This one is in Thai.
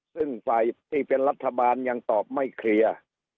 ซึ่งฝ่ายที่เป็นรัฐบาลยังตอบไม่เคลียร์